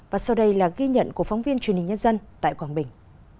và sau đây là ghi nhận của phóng viên truyền hình nhân dân tại quảng bình